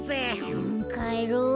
うんかえろう。